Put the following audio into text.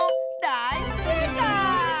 だいせいかい！